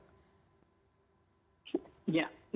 jadi sekarang soal identifikasi ini sebenarnya bagaimana dok